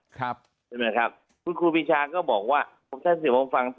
คุณครูปีชาก็บอกว่าเพราะโทษท่านเสียบองฟัง